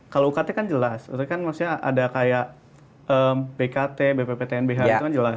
kalau ukt kan jelas tapi kan maksudnya ada kayak bkt bpptnbh itu kan jelas